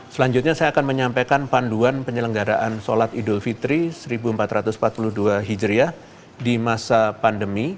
selanjutnya saya akan menyampaikan panduan penyelenggaraan sholat idul fitri seribu empat ratus empat puluh dua hijriah di masa pandemi